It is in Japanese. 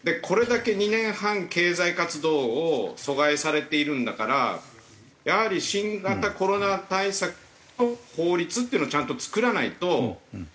これだけ２年半経済活動を阻害されているんだからやはり新型コロナ対策の法律っていうのをちゃんと作らないと。